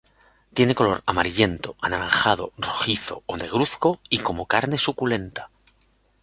Tiene color amarillento, anaranjado, rojizo o negruzco y con carne suculenta.